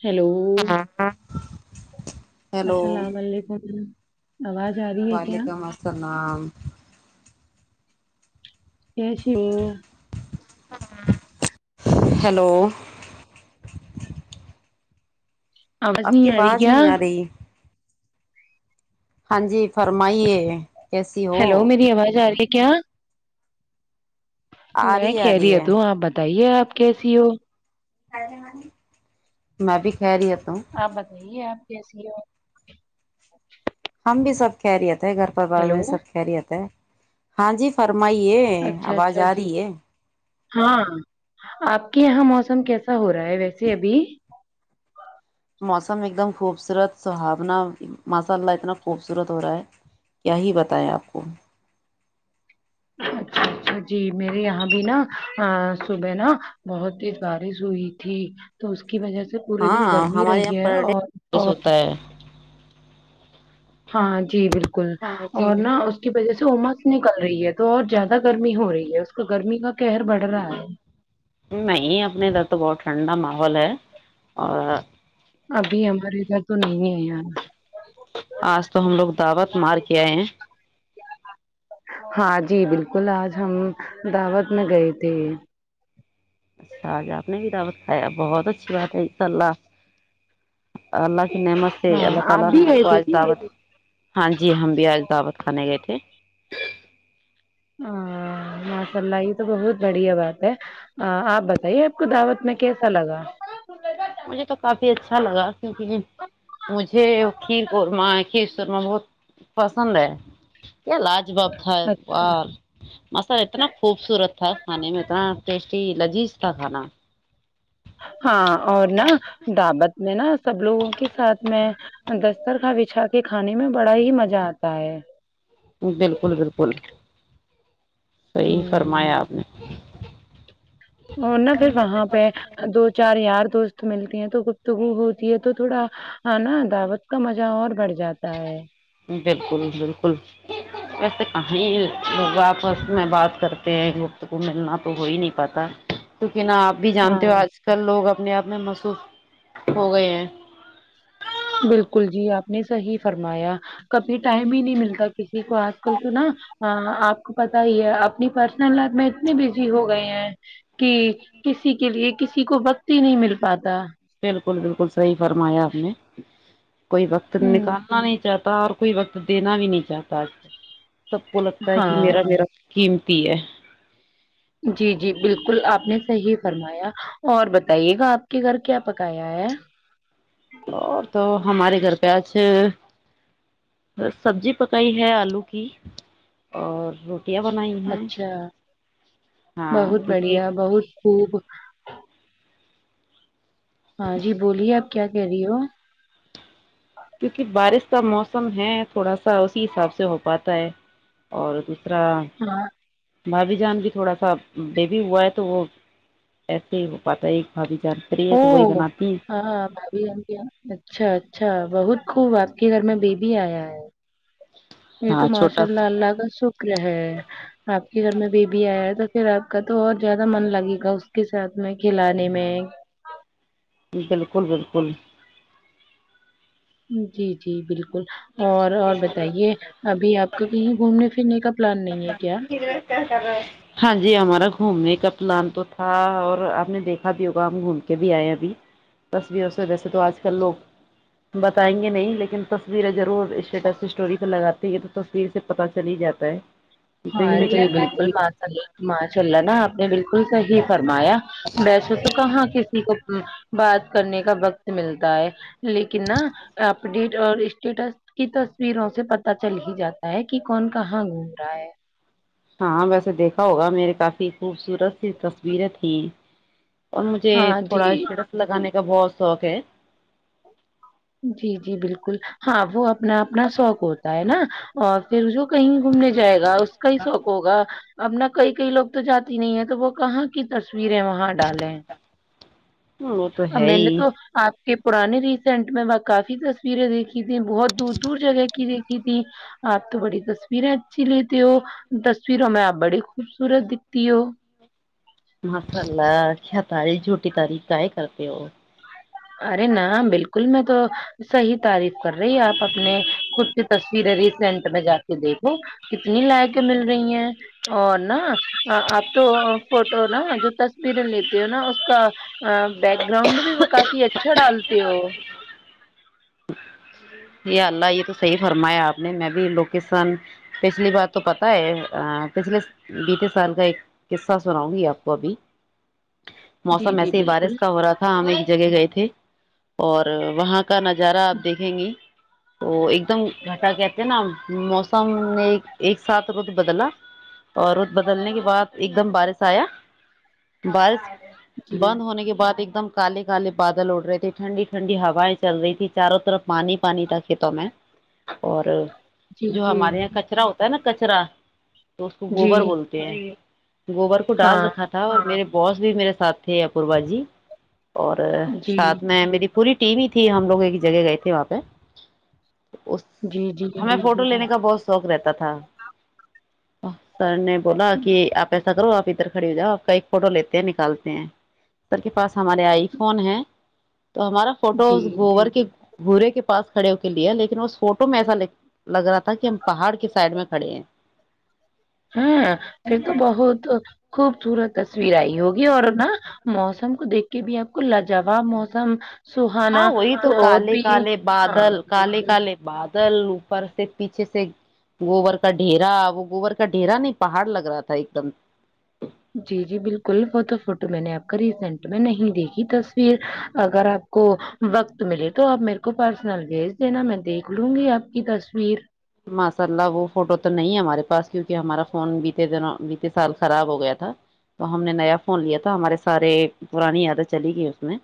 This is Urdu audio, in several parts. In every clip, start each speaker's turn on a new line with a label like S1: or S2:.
S1: ہیلو
S2: ہیلو
S1: السلام علیکم آواز آ رہی ہے کیا
S2: وعلیکم السلام
S1: [unintelligible]
S2: ہیلو
S1: آواز
S2: آپ
S1: نہیں
S2: کی
S1: آ رہی
S2: آواز
S1: کیا
S2: نہیں آ رہی ہاں جی فرمائیے کیسی ہو
S1: ہیلو میری آواز آ رہی ہے کیا
S2: آ
S1: میں
S2: رہی آ رہی ہے
S1: خیریت ہوں اپ بت بتائیے آپ کیسی ہو
S2: میں بھی خیریت ہوں
S1: آپ بتائیے آپ کیسی ہو
S2: ہم بھی سب خیریت
S1: ہیلو
S2: سب خیریت ہے [unintelligible] ہاں جی فر
S1: اچھا اچھا جی ہاں آپ کے یہاں موسم موسم کیسا ہو رہا ہے ویسے ابھی
S2: موسم ایک دم خوبصورت سہاونا ماشاء اللہ اتنا خوبصورت ہو رہا ہے کیا ہی بتائائے آپ کو
S1: جی میرے یہاں بھی نا صبح نا بہت تیز بارش ہوئی تھی تو اس کی وجہ سے پورے دن
S2: ہاں
S1: گرمی
S2: ہمارے
S1: رہی
S2: یہاں
S1: ہے
S2: پر
S1: اور
S2: ڈےتو ہوتا ہے
S1: ہاں جی بل کل اور نہ اس کی وجہ سے امت نکل رہی ہے تو اور زیادہ گرمی ہو رہی ہے اس کا گرمی کا کہر بڑھ رہا ہے
S2: نہیں اپنے ادھر تو بہت ٹھنڈا ماحول ہے اور
S1: ابھی ہمارے ادھر تو نہیں ہے یار
S2: آج تو ہم لوگ دعوت مار کے آئے ہیں
S1: ہاں جی بالکل آج ہم دعوت میں گئے تھے
S2: ا بہت اچھی بات ہے اللہ اللہ اللہ
S1: ہاں آپ
S2: تعالی
S1: بھی گئے تھے کیا
S2: نے ہاں جی ہم بھی دعوت خانہ گئے تھے
S1: ہ ماشاء اللہ یہ تو بہت بڑھیا بات ہے آپ بت بائی آپ کو دعوت میں کیسا لگا ال [inaudible]
S2: مجھے تو کافی اچھا لگا کیونکہ مجھے کھیر قورمہ کھیر شورما بہت پسند ہے کیا لاج باب تھا ایک
S1: اچھا،
S2: بار مسال اتنا خوبصورت تھا کھانے میں اتنا ٹیسٹ لذیذ تھا کھانا
S1: ہاں اور نا دعوت میں نا سب لوگوں کے ساتھ میں دسترخان بچھا کے کھانے میں بڑا ہی مزہ آتا ہے
S2: بالکل بالکل صحیح
S1: ہ
S2: فرمایا آپ نے
S1: اور نا پھر وہاں پہ دو چار یار دوست ملتے ہیں تو گفتگو ہوتی ہے تو تھوڑا نا دعوت کا مزہ اور بڑھ جاتا ہے
S2: بالکل بالکل ویسے کہیں لپس میں بات کرتے ہیں گفتگو کو ملنا تو ہو ہی نہیں پاتا کہ نہ آپ بھی جانتے
S1: ہاں
S2: ہو آج کل لوگ اب اپنے آپ میں مصروف ہو گئے ہیں
S1: بالکل جی آپ نے صحیح فرمایا کبھی ٹائم ہی نہیں ملتا کسی کو آج کل تو نا آپ کو پتا ہی ہے اپنی پرسنل لائف میں اتنے بزی ہو گئے ہیں کہ کسی کے لیے کسی کو وقت ہی نہیں مل پاتا
S2: بالکل بالکل صحیح فرمایا آپ نے کوئی وقت
S1: ہوں
S2: نکالنا نہیں چاہتا اور کوئی وقت دینا بھی نہیں چاہتا آج کل سب کو لگتا ہے کہ
S1: ہاں
S2: میرا میرا کیم تی ہے
S1: جی جی بالکل آپ نے صاہی فرمایا اور بتائیے گا آپ کے گھر کیا پکایا ہے
S2: اور تو ہمارے گھر پہ آج سبزی پکائی ہے آلو کی اور روٹی
S1: اچھا
S2: ہاں
S1: بہت
S2: کیونکہ
S1: بڑھیا بہت خوب ہاں جی بولیے آپ کیا کہہ رہی ہو
S2: کیونکہ بارش کا موسم ہے تھوڑا سا اسی حساب سے ہو پاتا ہے اور ترا
S1: ہاں
S2: بھابی جان کے تھوڑا سا بےبی ہوا ہے تو وہ ایسے ہی ہو پاتا ہے ایک بھابی
S1: او ہاں اچھا اچھا بہت خوب آپ کے گھر میں بیبی آیا ہے یہ تو
S2: ہاں چھوٹا
S1: ماشاء اللہ اللہ کا شکر ہے آپ کے گھر میں بیبی آیا ہے تو پھر آپ کا تو اور زیادہ من لگے گا اس کے ساتھ میں کھلانے میں
S2: بالکل بالکل
S1: جی جی بالکل بالکل اور اور بتائیے ابھی آپ کا کہیں گھومنے پھرنے کا پلان نہیں ہے کیا
S2: ہاں جی ہمارا گھومنے کا پلان تو تھا اور آپ نے دیکھا بھی ہوگا ہم گھوم کے بھی آئے ہیں ابھی تصویروں سے ویسے تو آج کل لوگ بتائیں گے نہیں لیکن تصویر ضرور اسٹیٹس سٹودی پہ لگا تو تصویر سے پتا چل ہی جاتا ہے
S1: ہاں
S2: کہیں نہ
S1: جی
S2: کہیں
S1: بالکل اپ ماشاء اللہ نا آپ نے بالکل صحیح فرمایا بیسو تو کہاں کسی کو بات کرنے کا وقت ملتا ہے لیکن نا اپڈیٹ اور اسٹیٹس کی تصویروں سے پتا چل ہی جاتا ہے کہ کون کہاں گھوم رہا ہے
S2: ہاں ویسے دیکھا ہوگا میرے کافی خوبصورت سی تصویریں تھیں اور مجھے
S1: ہاں
S2: تھوڑا
S1: جی
S2: اسٹیٹس لگانے کا کا بہت شوق ہے
S1: جی جی بالکل ہاں وہ اپنا اپنا شوق ہوتا ہے نا اور پھر کہیں گھومنے جائے گا اس کا ہی شوق ہوگا ابنا کئی کئی لوگ تو جاتی نہیں ہے تو وہ کہاں کی تصویریں وہاں ڈالیں ہیں
S2: وہ تو ہے
S1: میں نے
S2: ہی
S1: تو آپ کے پرانے ریسینٹ میں وہ کافی تصویریں دیکھی تھی بہت دور دور جگہ کی دیکھی تھی آپ تو بڑی تصویریں اچھی لیتے ہو تصویروں میں آپ بڑی خوبصورت دکھتی ہو
S2: ماشاء اللہ کیا تاریف جھوٹی تاریف کا ہے کرتے ہو
S1: ارے نہ بالکل میں تو صحیح تعریف کر رہی آپ اپنے خود کی تصویریں ریسینٹ میں جا کے دیکھو کتنی لائک مل رہی ہیں اور نہ آپ تو فوٹو نا جو تصویریں لیتے ہو نا اس کا بیک گراؤنڈ بھی وہ کافی ڈالتے ہو
S2: جی اللہ یہ تو صحی فرمایا آپ نے میں بھی لوکیشن پچھلی بار تو پتا ہے پچھلے بیتے سال کا ایک قصہ سناؤں گی آپ کو ابھی
S1: جی
S2: موسم
S1: جی
S2: ایسے ہی بارش
S1: بالکل
S2: کا ہو رہا تھا ہمیں جگہ گئے تھے اور وہاں کا نظادا جرا آپ دیکھیں گی تو ایک دم گھاٹا کہتے ہیں نا موسم نے [unintelligible] ایک ساتھ رود بدلا اور رود بدلنے کے بعد ایک دم بارش آیا بارش
S1: جی
S2: بند ہونے کے بعد ایک دم کالے کالے بادل اڑ رہے تھے ٹھنڈی ٹھنڈی ہواائیں چل رہی تھی چاروں طرف پانی پانی تھا کھیتوں میں اور
S1: جی
S2: جو
S1: جی
S2: ہمارے یہاں کچرا ہوتا ت نا کچرا تو اس کو
S1: جی
S2: گوبر بولتے ہیں گوبر کو ڈال
S1: ہاں
S2: رکھا تھا اور میرے بوس بھی میرے ساتھے ا پوربا جی اور
S1: جی
S2: ساتھ میں میری پوری ٹیم ہی تھی ہم لوگ جگہ گئے تھی وہاں پہ اس
S1: جی جی
S2: ہمیں فوٹو لینے کا بہت شوق رہتا ت تھا [unintelligible] سر نے بولا کہ آپ ایسا کرو آپ ادھر کھڑی ہو جا آپ کا ایک فوٹو لیتے ہیں نکالتے ہیں سر کے پاس ہمارے آئی فون ہے تو ہمارا فوٹو
S1: جی
S2: گوبر کے بھورے کے پاس کھڑے ہو کے لیے لیکن اس فوٹو میں ایسا لگ رہا تھا کہ ہم پہاڑ کے سائڈ میں کھڑے ہیں
S1: ہاں پ تو بہت خوب [unintelligible] خوبصورت تصویر آئی ہوگی اور نا موسم کو دیکھ کے بھی آپ کو لاجواب موسم
S2: ہاں
S1: سہانا
S2: وہی تو
S1: اور
S2: کالے
S1: بھی
S2: کالے
S1: ہاں
S2: بادل کالے
S1: بالکل
S2: کالے بادل ل اوپر سے پیچھے سے گوبر کا ڈھیرا وہ گوبر کا ڈھیرا نہیں پہاڑ لگ رہا تھا ایک دم
S1: جی جی بالکل وہ تو فوٹو میں نے آپ ریسینٹ میں نہیں دیکھی تصویر اگر آپ کو وقت ملے تو آپ میرے کو پرسنل بھیج دینا میں دیکھ لوں گی آپ کی تصویر
S2: ماسا اللہ وہ فوٹو تو نہیں ہمارے پاس کیونکہ ہمارا فون بیتے دن بیتے سال خراب ہو گیا تھا تو ہم نے نیا فون لیا تھا ہمارے سارے پرانی یادیں چلی گئی اس میں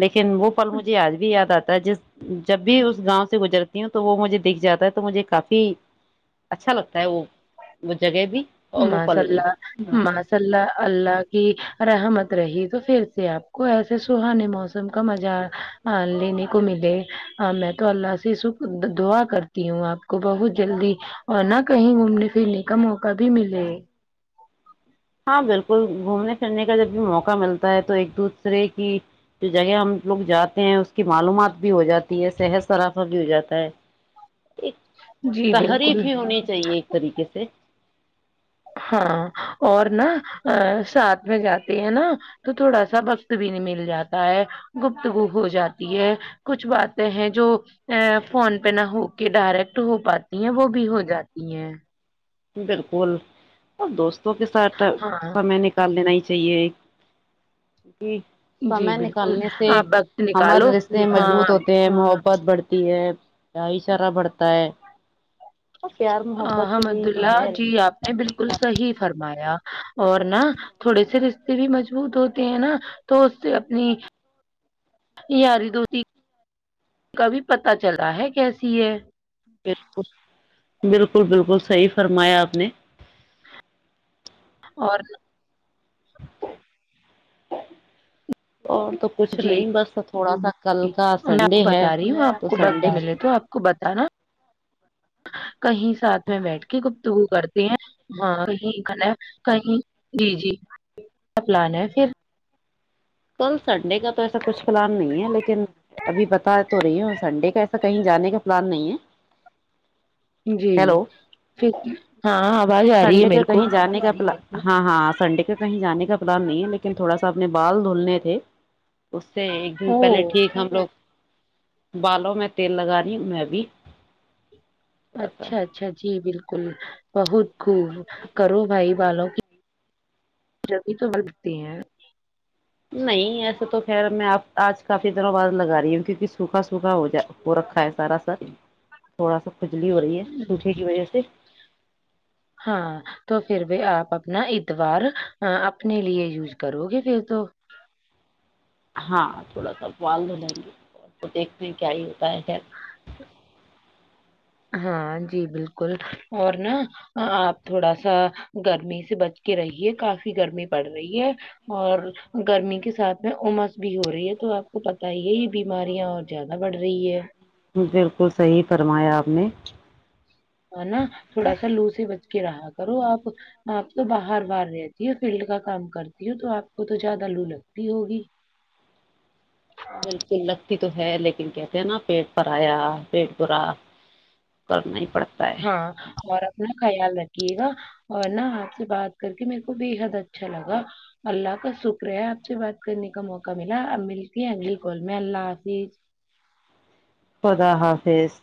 S2: لیکن لیکن وہ پل مجھے آج بھی یاد آتا ت جس [inaudible] جب بھی اس گاؤں سے گزر ہوں تو وہ مجھے دکھ جاتا ہیں تو مجھے کافی اچھا لگتا ہے وہ وہ جگہ بھی اور وہ پل بھی
S1: ماشااللہ ماشااللہ اللہ کی رحمت رہی تو پھر سے آپ کو ایسے سہانے موسم کا مزہ لینے کو ملے میں تو اللہ سے سک دعا کرتی ہوں آپ کو بہت جلدی اور نہ کہی گھومنے پھرنے کا موقع بھی ملے
S2: ہاں بلکل گھومنے پھرنے کا جب بھی موقع ملتا ہے تو ایک دوسرے کی جو جگہ ہم لوگ جاتے ہیں اس کی معلومات بھی ہو جاتی ہے صحت سرافہ بھی ہو جاتا ہے ایک
S1: جی بالکل
S2: تحریف ہی ہونی چاہیے ایک طریقے سے
S1: ہاں اور نا ساتھ میں جاتے ہیں نا تو تھوڑا سا وقت بھی نہیں مل جاتا ہے گپتگو ہو جاتی ہے کچھ باتیں ہیں جو فون پہ نہ ہو کے ڈائریکٹ ہو پاتی ہیں وہ بھی ہو جاتی ہیں
S2: بلکل اور دوست کے ساتھ
S1: ہاں
S2: سمے نکال لینا ہی چاہیے ایک [inaudible] کہ
S1: جی
S2: سمے
S1: بالکل
S2: نکالنے سے
S1: آپ وقت
S2: ہمار
S1: نکالو
S2: رشتے مضبوط
S1: ہاں
S2: ہوتے ہیں محبت ت بڑھتی ہے بھائ چارہ بڑھتا ہے اور پیار محبت کی بھی
S1: حمد اللہ جی آپ نے بلکل صحیح فرمایا اور نا تھوڑے سے رشتے بھی مضبوط ہوتے ہیں نا تو اس سے اپنی یاری دوستی کا بھی پتا چلتا ہیں کیسی ہے
S2: بلکل بلکل بلکل صحی فرمایا آپ نے
S1: اور
S2: [unintelligible] اور تو کچھ
S1: جی
S2: نہیں بس تھوڑا سا کل کا
S1: میں آپ
S2: سنڈے
S1: کو
S2: ہے
S1: بتا رہی ہوں آپ
S2: تو
S1: کو وقت
S2: سنڈے
S1: کہی ساتھ میں بیٹھ کے گفتگو کرتے ہیں ہاں کہ کہی جی جی پلان ہے پھر
S2: کل سنڈے دیکھا تو ایسا کچھ پلان نہیں ہے لیکن ابھی بتا تو رہی ہوں سنڈے کا ایسا کہی جانے کا پلان نہیں ہے
S1: جی
S2: ہیلو
S1: پھر ہاں آواز آ رہی ہے
S2: سنڈے کا
S1: میرے کو
S2: کہیں جانے کا پلان ہاں ہاں سنڈے کا کہیں جانے کا نہیں لیکن تھوڑا سا اپنےبال دھولنے تھے اس سے ایک دن پہلے
S1: او
S2: ٹھیک ہم لوگ بالوں میں تیل لگانی میں ںبھی
S1: اچھا اچھا جی بلکل بہت خوب کرو بھائی والوں کی جبی تو بنتی ہیں
S2: نہیں ایسے تو خیر میں آپ آج کافی دنوں بعد لگا رہی ہوں کیونکہ سوکھا سوکھا ہو جا ہو رکھا ہے سارا سر تھوڑا سا کھجلی ہو رہی ہے سوٹے کی وجہ سے
S1: ہاں تو پھر بھی آپ اپنا اتوار اپنے لیے یوز کرو گے پھر تو
S2: ہاں تھوڑا سا بال د ہو جائیں گے دیکھنے کیا ہی ہوگ ب کیا
S1: ہاں جی بالکل اور نا آپ تھوڑا سا گرمی سے بچ کے رہیے کافی گرمی پڑ رہی ہے اور گرمی کے ساتھ میں امس بھی ہو رہی ہے تو آپ کو پت ہی ہے یہ بیماریاں اور زیادہ بڑھ رہی ہے
S2: بالکل صحی تھا فرمایا آپ نے
S1: ہ نا تھوڑا سا لوس ہی ب کے رہا کرو آپ آپ تو باہر باہار رہتی ہو فیلڈ کا کام کرتی ہو تو آپ کو تو زیادہ لو لگتی ہوگی
S2: بالکل لگتی تو ہے لیکن کہتے ہیں نا پیٹ پر آیا پیٹ برا کرنا ہی پڑتا ہے
S1: ہاں اور اپنا خیال رکھ کیے گا اور ن آپ سے بات کر کے میرے کو بےحد اچھا لگا اللہ کا شکر ہے آپ سے بات کرنے کا موقع ملا اب ملتی انگل کول میں اللہ حافظ
S2: خدا حافظ